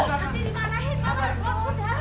nanti dimarahin banget